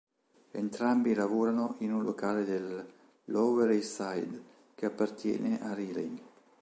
Entrambi lavorano in un locale del Lower East Side che appartiene a Riley.